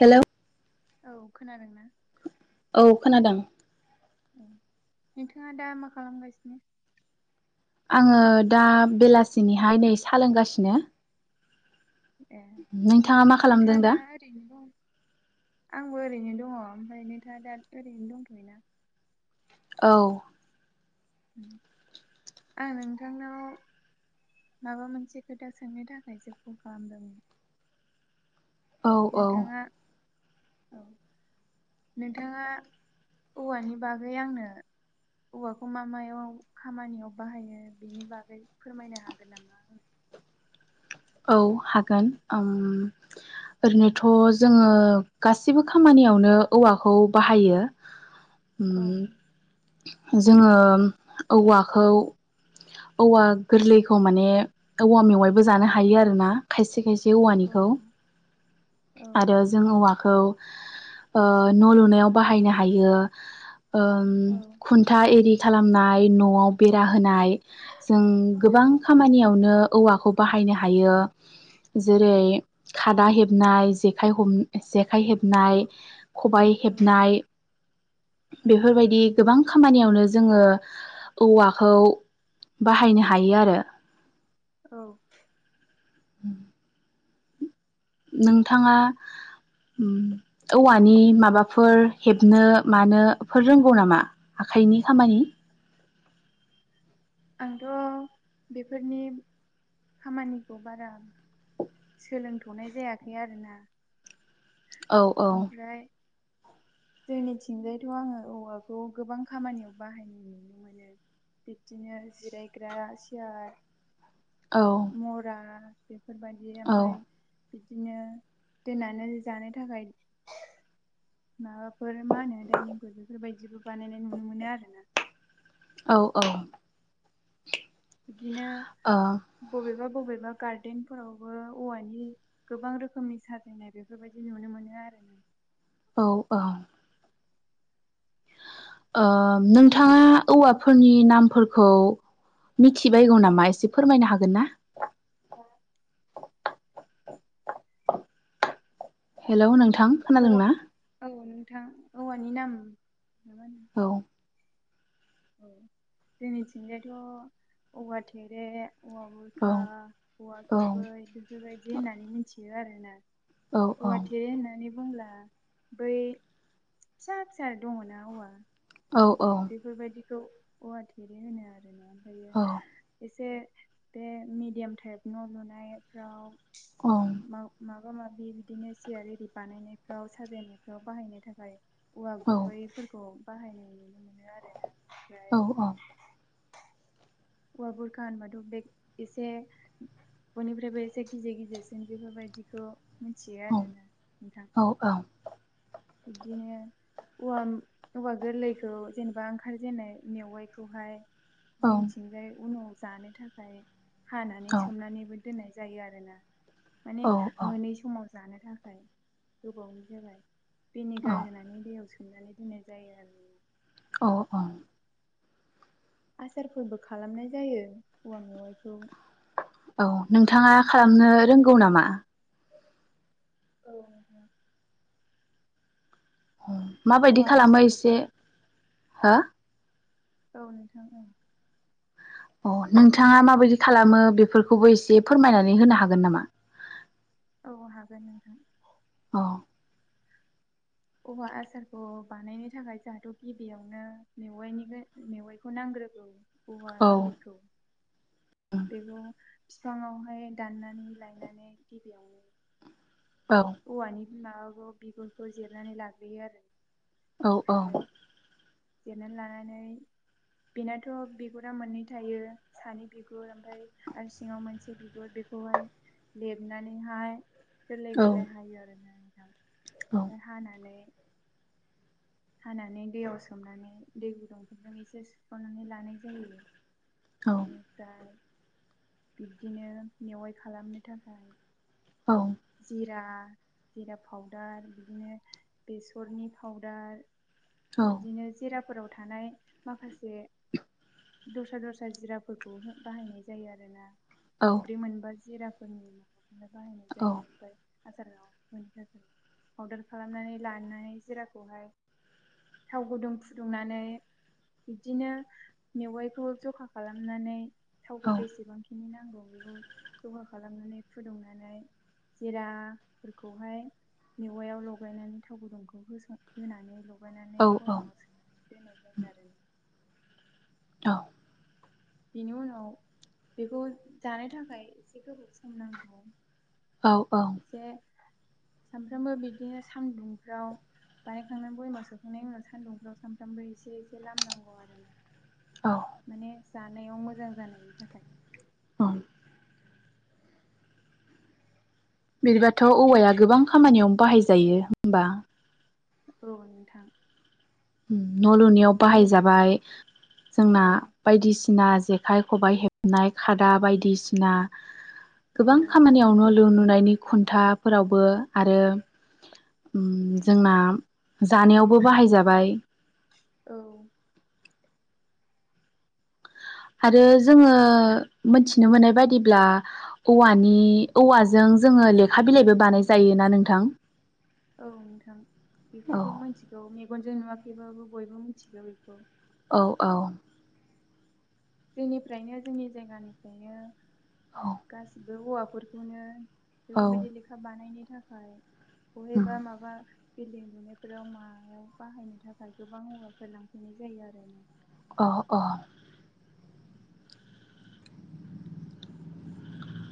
हेल' औ खोनादोंना? औ खोनादों नोंथाङा दा मा खालामगासिनो? आङो दा बेलासिनिहाय नै सा लोंगासिनो ए नोंथाङा मा खालामदों नोंथाङा दा ओरैनो दं आंबो ओरैनो दङ ओमफ्राय नोंथा दा ओरैनो दंथ'यो ना? औ उम आं नोंथांनाव माबा मोनसे खोथा सोंनो थाखायसो कल खालामदोंमोन औ औ नोंथाङा औ नोंथाङा औवानि बागै आंनो औवाखौ मा मायाव खामानियाव बाहायो बेनि बागै फोरमायनो हागोन नामा? औ हागोन ओ ओरैनोथ' जोङो गासिबो खामानियावनो औवाखौ बाहायो औ। उम जोङो औवाखौ औवा गोरलैखौ माने औवा मेवाइबो जानो हायो हायो आरो ना खायसे खायसे औ औवानिखौ औ आरो जों औवा खौ न' लुनायाव बाहायनो हायो ओ खुन्था एरि खालामनाय न'आव बेरा होनाय जों गोबां खामानियावनो औवाखौ बाहायनो हायो हायो। जेरै खादा हेबनाय जेखाइ हम जेखाइ हेबनाय खबाय औ हेबनाय औ बेफोरबायदि गोबां खामानियावनो जोङो औवाखौ बाहायनो हायो आरो। औ। औ नोंथाङा औवानि माबाफोर हेबनो मानोफोर रोंगौ नामा आखाइनि खामानि? आंथ' बेफोरनि खामानिखौ बारा सोलोंथ'नाय जायाखै आरोना। औ औ। ओमफ्राय जोंनिथिंजायथ' आङो औवाखौ गोबां खामानियाव बाहायनाय नुनो मोनो बिब्दिनो जिरायग्रा सियार औ मरा बेफोरबायदि बे औ आमफाय बिदिनो दोननानै जानो थाखाय माबाफोर मा होनो दाइनिंफोर बेफोरबायदिबो बानायनाय नुनो मोनो आरोना। औ औ। बिदिनो बबेबा बबेबा गार्देनफोरावबो औवानि गोबां रोखोमनि साजायनाय बेफोरबायदि नुनो मोनो आरो ना। औ औ। ओ नोंथाङा औवाफोरनि नामफोरखौ मिथिबायगौ नामा एसे फोरमायनो हागोन ना? औ। हेल' नों औ औ नोंथां। औवानि नाम होनो औ। औ जोंनिथिंजायथ' औवा थेरे औवा औ बुरखा औवा औ गुबै बेफोरबायदि होननानै मिथियो आरो। ना। औ औवा थेरे होननानै बुंब्ला बै फिसा फिसा दङना औवा। औ औ। खौ औवा थेरे होनो आरो ना। होयो औ एसे बे मिडियाम टाइप न' लुनायफ्राव औ मा मा। माबा माबि बिदिनो सियार एरि बानायनायफ्राव साजायनायफ्राव बाहायनो थाखाय औवा गुबैफोरखौ बाहायनाय नुनो मोनो आरो ना। औ औ। औवा बुरखा होनबाथ' बे एसे बयनिफ्रायबो एसे गिदिर गिदिरसिन बेफोरबायदिखौ मिथियो आरोना नोंथां। बिदिनो औवा औवा गोरलैखौ जेनेबा ओंखारजेननाय मेवाइखौहाय जोंथिंजाय उनाव जानो थाखाय हानानै सोमनानैबो दोननाय जायो आरोना। माने औ मोनै समाव जानो थाखाय गोबावनि जाबाय। औ भिनेगार होनानै दैयाव सो सोमनानै दोननाय जायो आरो। औ औ। आसारफोरबो खालामनाय जायो औवा मेवाइखौ। औ नोंथाङा खालामनो रोंगौ नामा? औ। माबायदि औवा खालामबा आसारखौ एसे खालाम हा। औ नोंथां औ। अ नोंथाङा माबायदि खालामो बेफोरखौबो एसे फोरमायनानै होनो हागोन नामा? औ हागोन नोंथां। औ। औवा आसारखौ बानायनो थाखाय जोंहाथ' गिबियावनो मेवाइनि मेवाइखौ नांग्रोगौ। औवा औ गोरलैखौ बेखौ बिफाङावहाय दाननानै लायनानै गिबियावनो औ औवानि माबाखौ बिगुरखौ जि जिरनानै लाग्रोयो आरो औ आमफ्राय औ जिरनानै लानानै बेनाथ' बिगुरा मोननै थायो सानि बिगुर ओमफ्राय आरो सिङाव मोनसे बिगुर बेखौहाय लेबनानैहाय गोरलै औ गोरलै हायो आरो ना औ आमफ्राय हानानै हानानै दैयाव सोमनानै दै गुदुंफोरजों एसे सुखनानै लानाय जायो। बेनिफ्राय बिब्दिनो मेवाइ खालामनो थाखाय औ जिरा जिरा पावदार बिदिनो बेसरनि पावदार बिदिनो जिरा फोराव थानाय माखासे [inaudible] दस्रा दस्रा जिराफोरखौ हो बाहायनाय जायो आरोना औ मोनब्रै मोनबा जिराफोरनि [unintelligible] औ जायो ओमफाय आसाराव [unintelligible] पाउदार खालामनानै लानाय जिराखौहाय थाव गुदुं फुदुंनानै बिब्दिनो मेवाइखौ जखा खालामनानै थावखौ बेसेबांखिनि नां नांबावगौ जखा खालामनानै फुदुंनानै जिराफोरखौहाय मेवायाव लगायनानै थाव गुदुंखौ होसन होनानै ल माबानानै औ बयामाव सोनानै दोनाय जायो आरो औ बेनि उनाव बेखौ जानो थाखाय एसे गोबाव सम नांगौ। औ औ सामफ्रामबो बिदिनो सान्दुंफ्राव बानायखांनानै बयामाव सोखांनायनि उनाव सान्दुंफ्राव सामफ्रामबो एसे एसे लामनांगौ आरो माने जानायाव मोजां जानायनि थाखाय। अम बिदिबा थ' औवाया गोबां खामानियाव बाहाय जायो होमबा। औ नोंथां उम न' लुनायाव न' बाहायजाबाय जोंना औ बायदिसिना जेखाइ खबाइ हेबनाय खादा बायदिसिना औ गोबां खामानियावनो न' लुनायनि खुन्थाफोरावबो आरो ओम जोंना जानायावबो बाहायजाबाय। औ आरो जोंङो मोनथिनो मोननाय बायदिब्ला औवानि औवाजों जोङो लेखा बिलाइबो बानाय जायोना नोंथां? औ नोंथां औ बेखौथ' मिथिगौ मे मेगनजों नुवाखैबाबो बयबो मिथिगौ बेखौ। औ औ जोंनिफ्रायनो जोंनि जायगानिफ्रायनो औ गासि बो औवाफोरखौनो औ बेफोरबायदि लेखा बानायनो थाखाय अहेबा माबा बिल्डिं लुनायफोराव मायाव बाहायनो थाखाय गोबां औवाफोर लांफैनाय जायो आरो। अह अह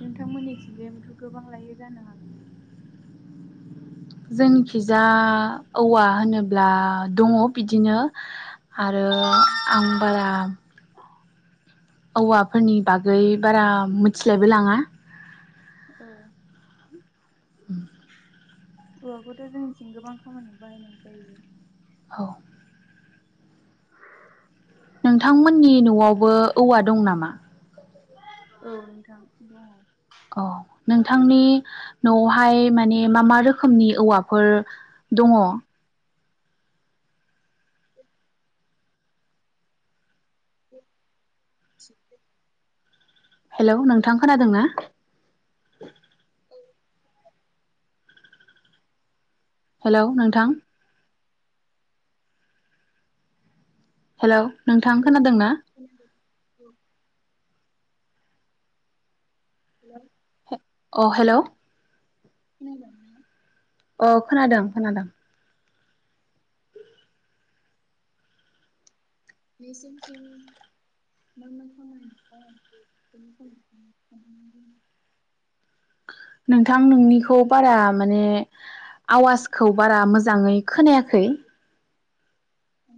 नोंथांमोननिथिंजायबोथ' गोबां लायो जानो हागौ। जोंनिखिजा औवा होनोब्ला दंङ बिदिनो आरो औ आं बारा औवाफोरनि बागै बारा मिथिलायबो लाङा। औ औवाखौथ' जोंनिथिं गोबां खामानियाव बाहायनाय जायो। औ नोंथांमोननि न'आवबो औवा दं नामा? औ नोंथां दङ। औ नोंथांनि न'आवहाय माने मा मा रोखोमनि औवाफोर दङ? [unintelligible] हेलौ नोंथां खोनादों ना? हेल' नोंथां। हेल' नोंथां खोनादों ना? औ हेल हे अ हेल' खोनादों ना? अ खोनादों खोनादों। बिसोरथिं [unintelligible] नोंथां नोंनिखौ बारा माने आवाजखौ बारा मोजाङै खोनायाखै। उ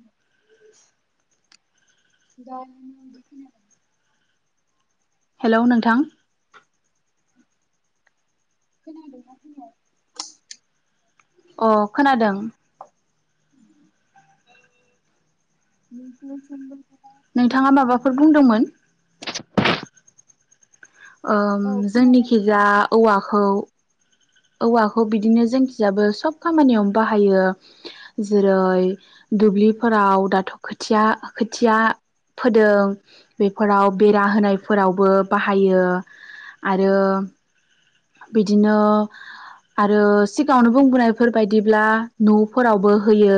[unintelligible] हेल नोंथां खोनादोंना [inaudible] अ खोनादों नोंसोरनि थिंबो नोंथाङा माबाफोर बुंदोंमोन। ओम औ जोंनिखिजा खोनागासिनो औवाखौ। औवाखौ बिदिनो जोंखिजाबो सब खामानियावनो बाहायो जेरै दुब्लिफोराव दाथ खोथिया खोथिया फोदों बेफोराव औ बेरा होनायफोराव। बो बाहायो औ आरो बिदिनो आरो सिगाङावनो बुंबोनायफोर बायदिब्ला नफोरावबो होयो।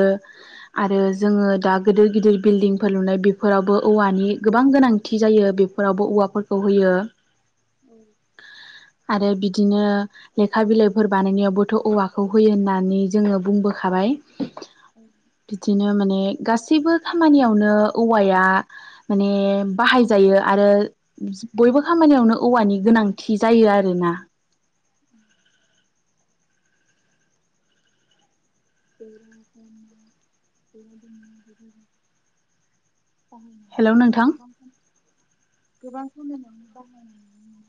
आरो जोङो दा गोदो गिदिर बिल्डिंफोर लुनाय बेफोरावबो औवानि गोबां गोनांथि जायो बेफोरावबो औवाफोरखौ होयो। औ आरो बिदिनो। लेखा बिलाइफोर बानायनायावबोथ औवाखौ होयो होननानै जोङो बुंबोखाबाय औ बिदिनो माने [unintelligible] गासैबो खामानियावनो औवाया माने बाहाय जायो आरो बयबो खामानियावनो औवानि गोनांथि जायो आरोना [inaudible] बाहायनानै गोबां [unintelligible] हेलौ नोंथां गोबां समायनानै बाहायनानै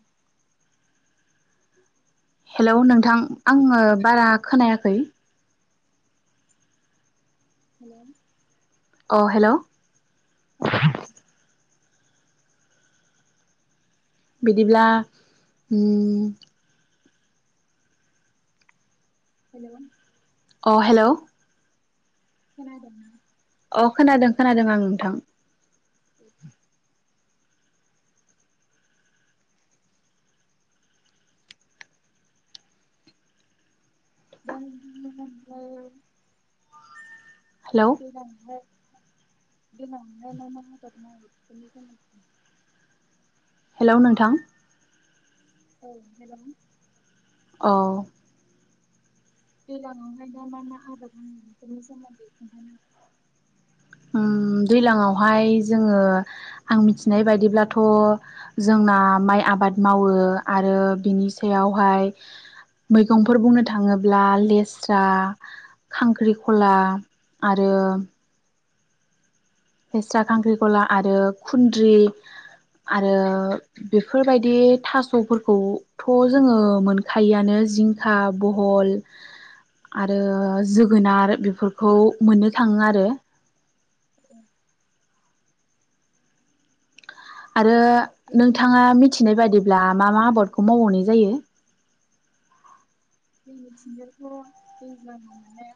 हेलौ नोंथां आङो बारा हेलौ खोनायाखै हेल अ हेल औ बिदिब्ला हो [inaudible] हेल अ हेल खोनादों अ खोनादों खोनादों आं नोंथां [inaudible] जों [inaudible] हेलौ [unintelligible] [inaudible] हेल नोंथां औ हेलौ अ [unintelligible] दैज्लांआव हाय जोङो आं मिथिनाय बायदिब्लाथ जोंना माइ आबाद मावो आरो बिनि सायावहाय मैगंफोर बुंनो थाङोब्ला लेस्रा खांख्रिखला आरो लेस्रा खांख्रिखला आरो खुन्द्रि आरो बेफोरबायदि थासफोरखौथ जोङो मोनखायोआनो जिंखा बहल आरो जोगोनार बेफोरखौ मोननो थाङो आरो आरो हागोन जों- नोंथाङा मिथि मिथिनाय बायदिब्ला मा मा आबादखौ मावबावनाय जायो जोंनि थिंजाय थ दैज्लांआव मोननाय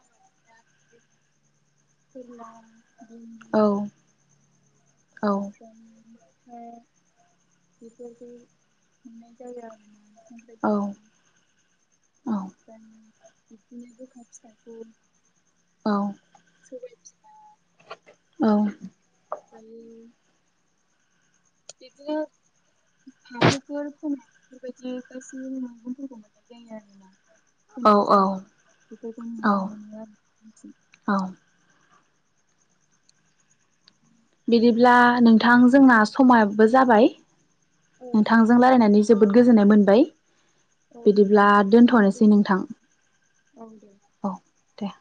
आबाद [unintelligible] औ औ ओमफ्राय बिफोरखौ मोननाय जायो आरो औ [inaudible] औ [unintelligible] बिदिनो गोखा फिथाइखौ औ सबायबिमा औ ओमफ्राय बिदिनो फाथोफोर फोनाय बेबायदि गासैबो मैगंफोरखौ मोननाय जायो आरोना औ फोनाय जायो बेफोरखौ औ नुनो मोनो आरो औ बिदिब्ला नोंथां जोंना समाबो जाबाय औ नोंथां नोंथांजों रायलायनानै जोबोर जोबोद गोजोननाय मोनबाय औ बिदिब्ला नोंथां दोनथनोसै गोजोननाय नोंथां औ दे। औ दे